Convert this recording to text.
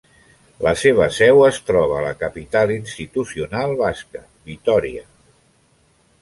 La seva seu es troba a la capital institucional basca, Vitòria.